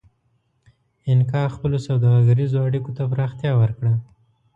اینکا خپلو سوداګریزو اړیکو ته پراختیا ورکړه.